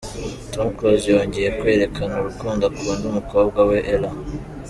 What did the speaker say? Tom Close yongeye kwerekana urukundo akunda umukobwa we Ella.